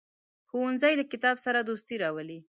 ښوونځی له کتاب سره دوستي راولي